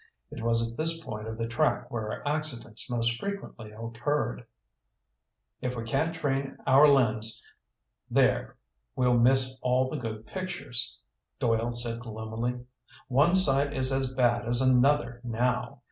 It was at this point of the track where accidents most frequently occurred. "If we can't train our lens there we'll miss all the good pictures," Doyle said gloomily. "One site is as bad as another now."